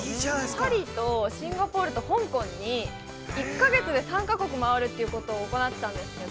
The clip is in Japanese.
パリとシンガポールと香港に１か月で３か国回るということを行ってたんですけど。